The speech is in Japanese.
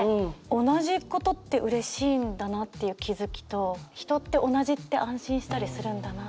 同じことってうれしいんだなっていう気付きと人って同じって安心したりするんだなっていう。